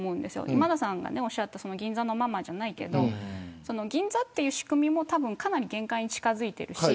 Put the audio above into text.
今田さんがおっしゃった銀座のママじゃないけど銀座という仕組みもかなり限界に近づいているし